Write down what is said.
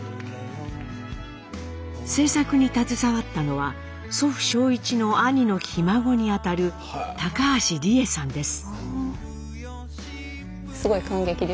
制作に携わったのは祖父正一の兄のひ孫にあたる高橋理恵さんです。